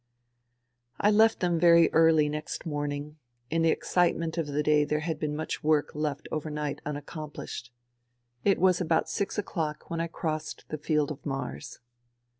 I left them very early next morning ; in the excitement of the day there had been much work left overnight unaccomplished. It was about six o'clock when I crossed the Field of Mars.